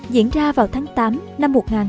diễn ra vào tháng tám năm một nghìn hai trăm năm mươi bảy